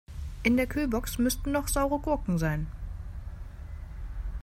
In der Kühlbox müssten noch saure Gurken sein.